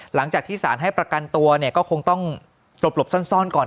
หลังจากที่สารให้ประกันตัวเนี่ยก็คงต้องหลบซ่อนก่อน